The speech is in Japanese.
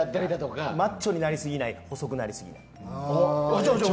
マッチョになりすぎない細くなりすぎない。